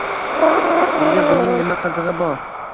Sizga buning nima qizig`i bor